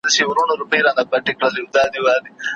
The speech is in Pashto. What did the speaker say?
زه به شرنګ راوړم محفل ته د پاولیو د پایلو